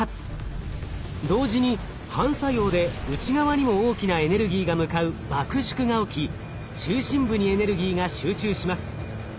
同時に反作用で内側にも大きなエネルギーが向かう爆縮が起き中心部にエネルギーが集中します。